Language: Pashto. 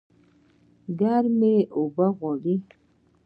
ګرمي اوبه غواړي